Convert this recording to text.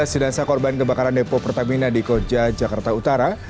tiga belas jenazah korban kebakaran depo pertamina di koja jakarta utara